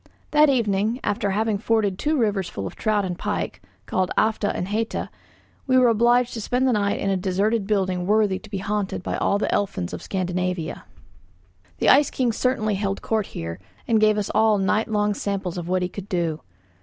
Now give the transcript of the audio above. That evening, after having forded two rivers full of trout and pike, called Alfa and Heta, we were obliged to spend the night in a deserted building worthy to be haunted by all the elfins of Scandinavia. The ice king certainly held court here, and gave us all night long samples of what he could do.